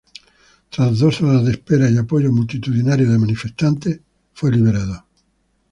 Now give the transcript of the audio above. Tras dos horas de espera, y apoyo multitudinario de manifestantes, fue liberado.